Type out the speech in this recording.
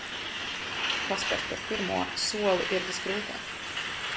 Paspert to pirmo soli ir visgrūtāk.